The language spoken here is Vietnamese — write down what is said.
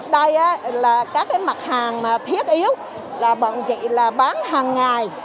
đây là các mặt hàng thiết yếu là bọn chị bán hàng ngày